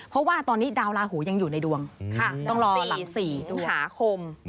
เพราะว่าตอนนี้ดาวลาหูยังอยู่ในดวงต้องรอปี๔สิงหาคม